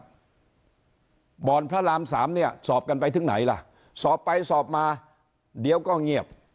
สามสามสาบสามสามเนี่ยศอบกันไปถึงไหนล่ะดี้วก็เงียบ